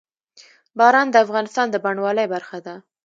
باران د افغانستان د بڼوالۍ برخه ده.